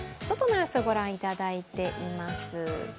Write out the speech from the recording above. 外の様子、御覧いただいています。